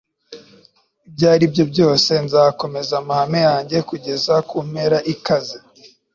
ibyo aribyo byose, nzakomeza amahame yanjye kugeza kumpera ikaze